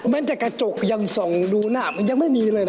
แม้แต่กระจกยังส่องดูหน้ามันยังไม่มีเลยนะ